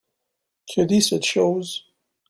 Que dit cette chose ?